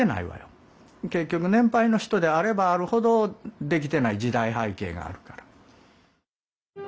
結局年配の人であればあるほどできてない時代背景があるから。